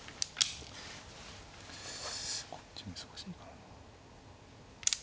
こっちも忙しいからな。